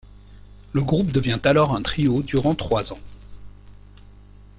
Le groupe devient alors un trio durant trois ans.